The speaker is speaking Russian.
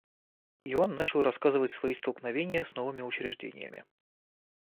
И он начал рассказывать свои столкновения с новыми учреждениями.